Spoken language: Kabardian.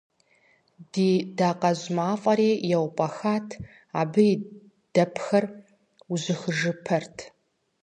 Ди дакъэжь мафӏэри еупӏэхат, абы и дэпхэр ужьыхыжыпэрт.